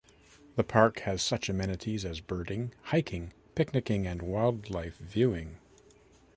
The park has such amenities as birding, hiking, picnicking and wildlife viewing.